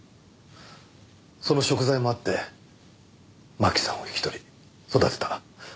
その贖罪もあって真紀さんを引き取り育てた。